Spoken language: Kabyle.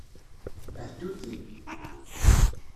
Htuti.